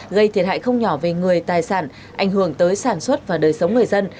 gây thiệt hại không nhỏ về người tài sản ảnh hưởng tới sản xuất và đời sống người dân